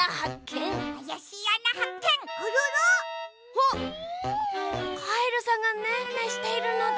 あっカエルさんがねんねしているのだ。